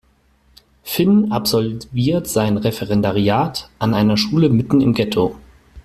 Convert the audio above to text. Finn absolviert sein Referendariat an einer Schule mitten im Ghetto.